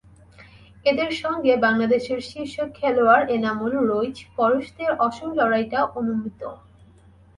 এঁদের সঙ্গে বাংলাদেশের শীর্ষ খেলোয়াড় এনামুল, রইচ, পরশদের অসম লড়াইটাই অনুমিত।